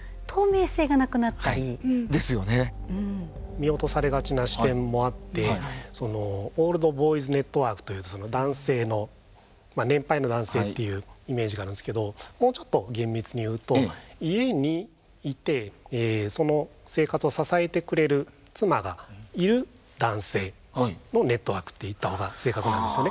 見落とされがちな視点もあってそのオールド・ボーイズ・ネットワークという男性のまあ年配の男性っていうイメージがあるんですけどもうちょっと厳密に言うと家にいてその生活を支えてくれる妻がいる男性のネットワークって言った方が正確なんですよね。